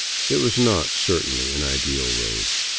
It was not, certainly, an ideal road.